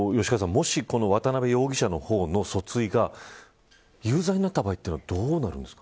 もし渡辺容疑者の方の訴追が有罪になった場合はどうなるんですか。